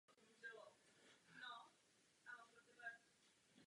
Jeho trenéry byli Harry Hopman a Tony Roche.